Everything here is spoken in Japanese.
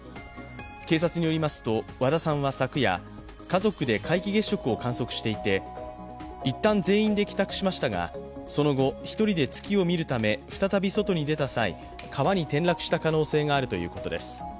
警察によりますと和田さんは昨夜、家族で皆既月食を観測していて、いったん全員で帰宅しましたがその後１人で月を見るため再び外に出た際、川に転落した可能性があるということです。